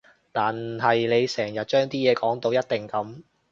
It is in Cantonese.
但係你成日將啲嘢講到一定噉